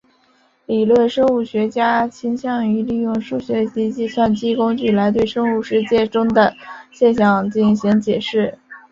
理论生物学家倾向于利用数学及计算机工具来对生物世界中的现象进行解释。